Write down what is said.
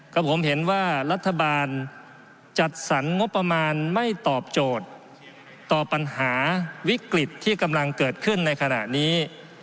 กับผมเห็นว่ารัฐบาลจัดสรรงบประมาณไม่ตอบโจทย์ต่อปัญหาวิกฤตที่กำลังเกิดขึ้นในขณะนี้